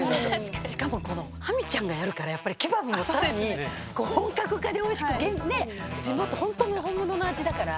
しかもこのハミちゃんがやるからやっぱりケバブも更に本格化でおいしくね地元ほんとの本物の味だから。